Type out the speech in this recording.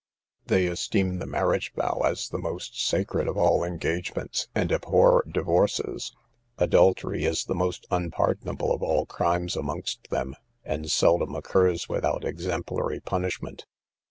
They esteem the marriage vow as the most sacred of all engagements, and abhor divorces; adultery is the most unpardonable of all crimes amongst them, and seldom occurs without exemplary punishment.